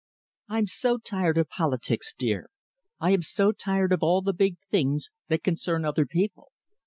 I'm so tired of politics, dear. I am so tired of all the big things that concern other people.